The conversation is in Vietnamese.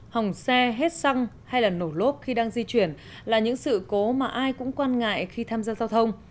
hỏng xe hết xăng hay là nổ lốp khi đang di chuyển là những sự cố mà ai cũng quan ngại khi tham gia giao thông